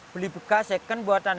beli bekas second buatan